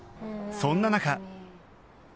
そんな中